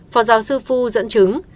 phó giáo sư phu dẫn chứng